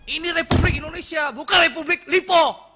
ini republik indonesia bukan republik lipo